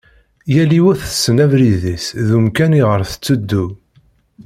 Yal yiwet tessen abrid-is d umkan iɣer tettuddu.